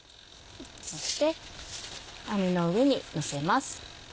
そして網の上にのせます。